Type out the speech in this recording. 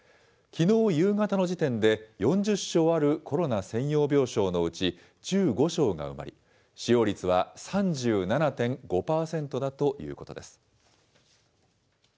きのう夕方の時点で、４０床あるコロナ専用病床のうち１５床が埋まり、使用率は３７．５％だということです。